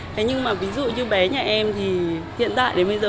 thế nhưng mà ví dụ như bé nhà em thì hiện tại đến bây giờ